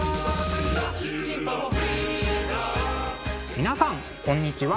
皆さんこんにちは。